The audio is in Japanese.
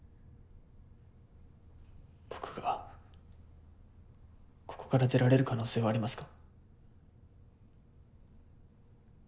僕がここから出られる可能性はありますか。